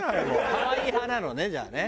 可愛い派なのねじゃあね。